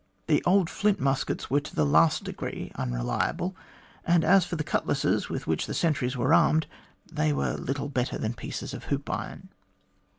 The old flint muskets were to the last degree unreliable, and as for the cutlasses with which the sentries were armed, they were little better than pieces of hoop iron."